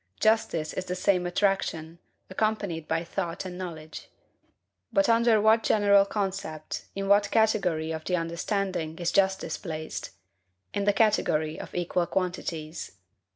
Justice is this same attraction, accompanied by thought and knowledge. But under what general concept, in what category of the understanding, is justice placed? In the category of equal quantities.